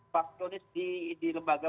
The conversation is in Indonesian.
paksi onis di lembaga